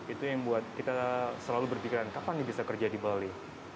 itu yang buat kita selalu berpikiran kapan bisa kerja di bali